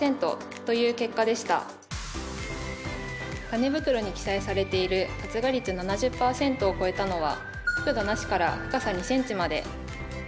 タネ袋に記載されている発芽率７０％を超えたのは覆土なしから深さ２ｃｍまで。